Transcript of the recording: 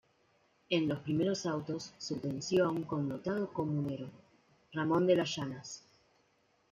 En los primeros autos, sentenció a un connotado comunero, Ramón de las Llanas.